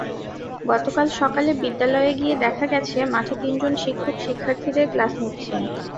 গতকাল সকালে বিদ্যালয়ে গিয়ে দেখা গেছে, মাঠে তিনজন শিক্ষক শিক্ষার্থীদের ক্লাস নিচ্ছেন।